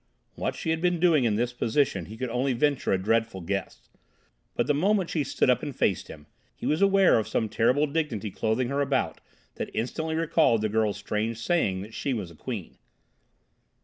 What she had been doing in this position he could only venture a dreadful guess, but the moment she stood up and faced him he was aware of some terrible dignity clothing her about that instantly recalled the girl's strange saying that she was a queen.